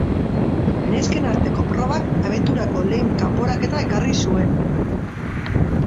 Nesken arteko probak abenturako lehen kanporaketa ekarri zuen.